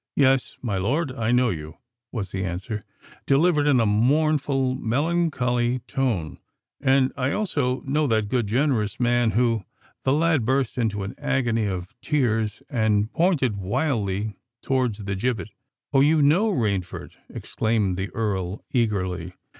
"Yes—my lord, I know you," was the answer, delivered in a mournful—melancholy tone; "and I also know that good—generous, man who——" The lad burst into an agony of tears, and pointed wildly towards the gibbet. "Oh! you know Rainford!" exclaimed the Earl eagerly.